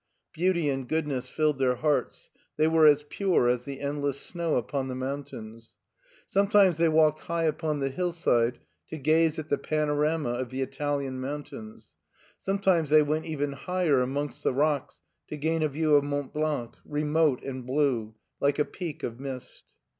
Beauty and goodness filled their hearts, they were as pure as the endless snow upon the mountain^. Some times they walked high upon the hillside to gaze at the panorama of the Italian mountains, sometimes they went even higher amongst the rocks to gain a view of Mont Blanc, remote and blue, like a peak of mist.